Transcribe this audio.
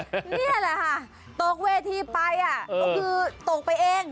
นี่แหละค่ะตกเวทีไปก็คือตกไปเอง